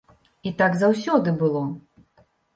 І так заўсёды было!